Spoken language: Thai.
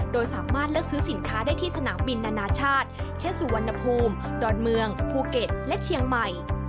โดยสามารถเลือกซื้อสินค้าได้ที่สนามบินนานาชาติเช่นสุวรรณภูมิดอนเมืองภูเก็ตและเชียงใหม่